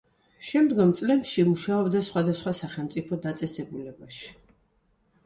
შემდგომ წლებში მუშაობდა სხვადასხვა სახელმწიფო დაწესებულებაში.